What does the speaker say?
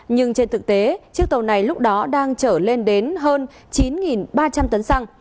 nhưng trên thực tế chiếc tàu này lúc đó đang trở lên đến hơn chín ba trăm linh tấn xăng